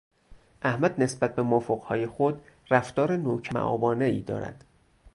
احمد نسبت به مافوقهای خود رفتار نوکر مابانهای دارد.